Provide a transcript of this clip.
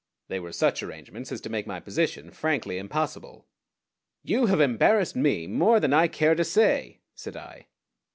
They were such arrangements as to make my position frankly impossible. "You have embarrassed me more than I care to say," said I.